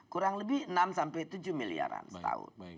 kurang lebih enam sampai tujuh miliaran setahun